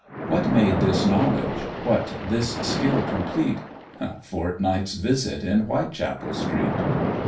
What made this knowledge, what this skill complete? A fortnight's visit in Whitechapel Street.